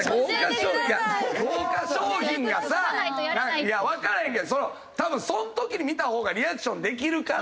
いやわからへんけど多分その時に見た方がリアクションできるから。